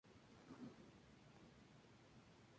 Don Hilario tuvo una numerosa familia.